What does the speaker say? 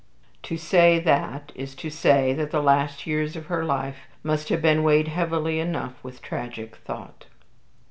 To say that, is to say that the last years of her life must have been weighted heavily enough with tragic thought."